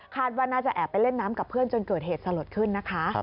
ว่าน่าจะแอบไปเล่นน้ำกับเพื่อนจนเกิดเหตุสลดขึ้นนะคะ